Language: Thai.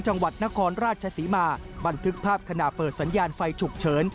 จังหวัดนครราชศรีมาบันทึกภาพขณะเปิดสัญญาณไฟฉุกเฉิน